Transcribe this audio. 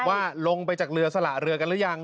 ว่าลงไปจากเรือสละเรือกันหรือยัง